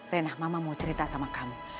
renah mama mau cerita sama kamu